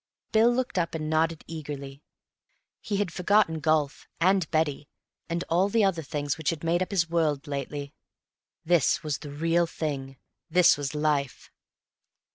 Bill looked up and nodded eagerly. He had forgotten golf and Betty and all the other things which had made up his world lately. This was the real thing. This was life.